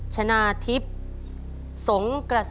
ชนะทิพย์สงกระสิ